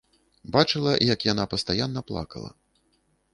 Бачыла як яна пастаянна плакала.